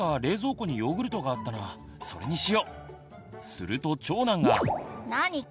すると長男が。